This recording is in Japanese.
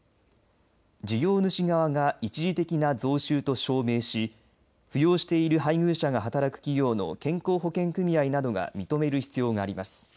事業主側が一時的な増収と証明し扶養している配偶者が働く企業の健康保険組合などが認める必要があります。